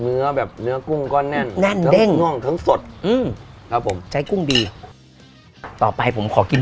เนื้อแบบเนื้อกุ้งก็แน่นแน่นเย็ง